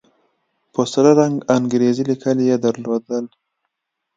په سره رنگ انګريزي ليکل يې درلودل.